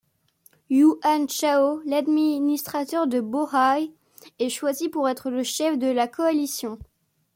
Yuan Shao, L'Administrateur de Bohai, est choisi pour être le chef de la coalition.